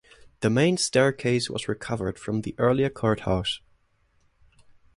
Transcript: The main staircase was recovered from the earlier courthouse.